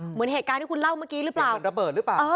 เหมือนเหตุการณ์ที่คุณเล่าเมื่อกี้หรือเปล่าเหมือนระเบิดหรือเปล่า